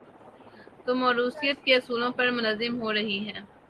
تو موروثیت کے اصول پر منظم ہو رہی ہیں۔